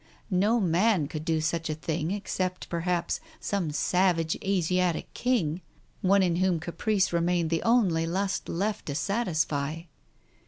No man could do such a thing except, perhaps, some savage Asiatic king, one in whom caprice remained the only lust left to satisfy.